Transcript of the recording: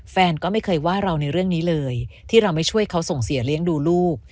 แฟนก็ไม่เคยว่าเราในเรื่องนี้เลยที่เราไม่ช่วยเขาส่งเสียเลี้ยงดูลูก